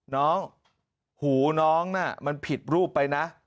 น้องหูน้องน่ะมันผิดรูปไปนะ